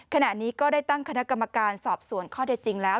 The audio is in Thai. ขณะนี้ก็ได้ตั้งคณะกรรมการสอบสวนข้อได้จริงแล้ว